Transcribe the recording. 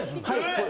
はい。